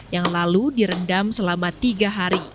yang lalu direndam selama tiga hari